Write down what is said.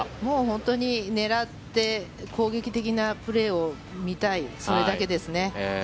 本当に狙って攻撃的なプレーを見たいそれだけですね。